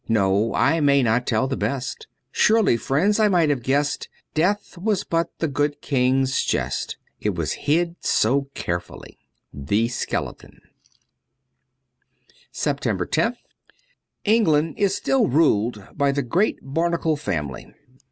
No : I may not tell the best ; Surely, friends, I might have guessed Death was but the good King's jest, It was hid so carefully. * 7he Skeleton: 282 SEPTEMBER loth ENGLAND is still ruled by the great Barnacle family.